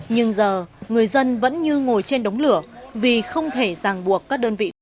nhưng giờ người dân vẫn như ngồi trên đóng lửa vì không thể giàng buộc các đơn vị